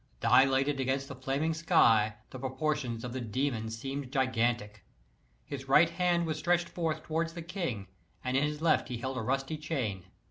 Dilated against the flaming sky, the proportions of the demon seemed gigantic. His right hand was stretched forth towards the king, and in his left he held a rusty chain.